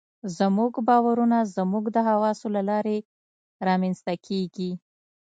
زموږ باورونه زموږ د حواسو له لارې رامنځته کېږي.